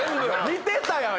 見てたやん！